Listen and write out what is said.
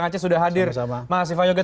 terima kasih pak yoget